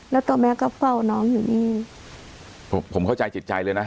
แล้วต่อแม่ก็เฝ้าน้องอยู่นี่ผมผมเข้าใจจิตใจเลยนะ